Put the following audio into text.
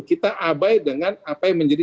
kita abai dengan apa yang menjadi